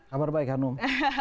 kabar baik hanum